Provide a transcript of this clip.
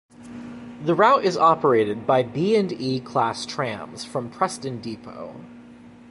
The route is operated by B and E class trams from Preston depot.